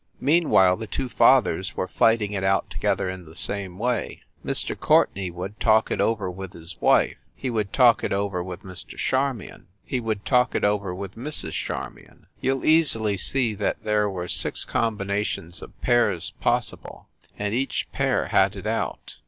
Meanwhile the two fathers were fighting it out together in the same way. Mr. Courtenay would talk it over with his wife. He would talk it over with Mr. Charmion. He would talk it over with Mrs. Charmion. You ll easily see that there were six com binations of pairs possible, and each pair had it out.